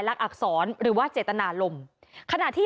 ทีนี้จากรายทื่อของคณะรัฐมนตรี